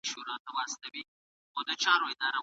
طبیعي زېرمې د انساني ژوند د اړتیاوو پوره کولو وسیله ده.